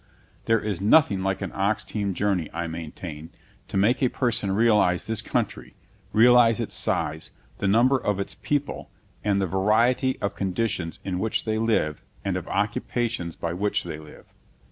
There is nothing like an ox team journey, I maintain, to make a person realize this country, realize its size, the number of its people, and the variety of conditions in which they live and of occupations by which they live.